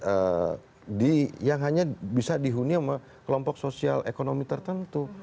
jadi membuat cluster cluster yang hanya bisa dihuni oleh kelompok sosial ekonomi tertentu